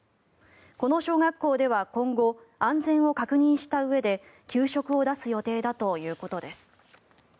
この小学校では今後安全を確認したうえで給食を出す予定だということです。